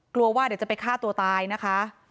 กลัวว่าเดี๋ยวจะไปฆ่าตัวตายนะคะ